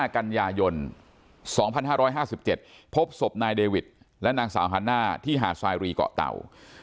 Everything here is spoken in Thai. กันยายน๒๕๕๗พบศพนายเดวิดและนางสาวฮาน่าที่หาดสายรีเกาะเตา